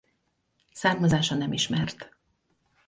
Származása nem ismert.